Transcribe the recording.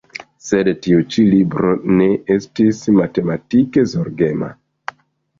Sed tiu ĉi libro ne estis matematike zorgema.